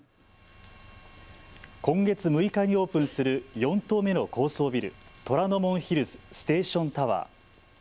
今月６日にオープンする４棟目の高層ビル、虎ノ門ヒルズステーションタワー。